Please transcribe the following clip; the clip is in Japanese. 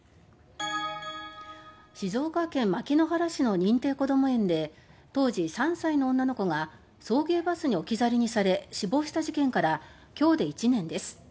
静岡県牧之原市の認定こども園で当時３歳の女の子が送迎バスに置き去りにされ死亡した事件から今日で１年です。